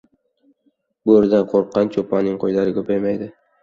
• Bo‘ridan qo‘rqqan cho‘ponning qo‘ylari ko‘paymaydi.